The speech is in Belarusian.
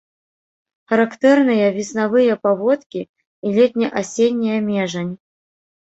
Характэрныя веснавыя паводкі і летне-асенняя межань.